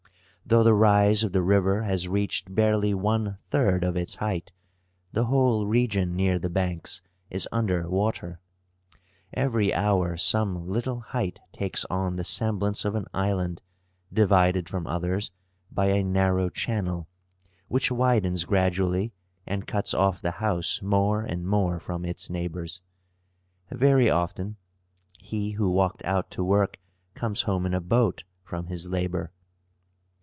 Though the rise of the river has reached barely one third of its height, the whole region near the banks is under water. Every hour some little height takes on the semblance of an island, divided from others by a narrow channel, which widens gradually and cuts off the house more and more from its neighbors. Very often he who walked out to work comes home in a boat from his labor.